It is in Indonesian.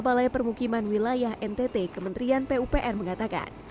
balai permukiman wilayah ntt kementerian pupr mengatakan